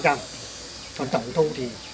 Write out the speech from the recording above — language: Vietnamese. còn tổng thu thì